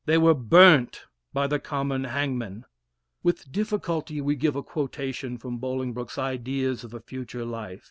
They were burnt by the common hangman. With difficulty we give a quotation from Boling broke's ideas of a Future Life.